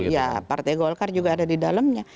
ya partai golkar juga ada di dalamnya